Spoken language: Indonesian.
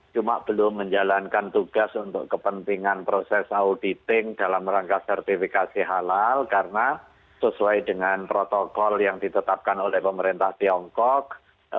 cuma belum menjalankan tugas untuk kepentingan proses auditing dalam rangka sertifikasi halal karena sesuai dengan protokol yang ditetapkan oleh pemerintah tiongkok